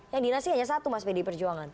yang dinasi hanya satu mas pdi perjuangan